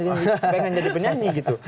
pengen jadi penyanyi gitu